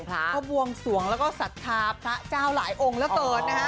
เขาบวงสวงแล้วก็ศรัทธาพระเจ้าหลายองค์เหลือเกินนะฮะ